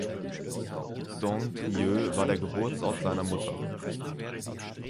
Dong Trieu war der Geburtsort seiner Mutter.